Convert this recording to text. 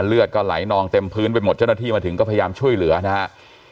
เลือดก็ไหลนองเต็มพื้นไปหมดเจ้าหน้าที่มาถึงก็พยายามช่วยเหลือนะฮะ